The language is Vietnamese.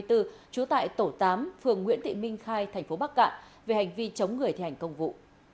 trú tại tổ tám phường nguyễn thị minh khai thành phố bắc cạn về hành vi chống người thi hành công vụ